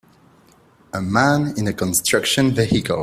A man in a construction vehicle.